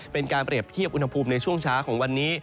เป็นการเปรียบเทียบอุณหภูมิในช่วงเช้าของวันนี้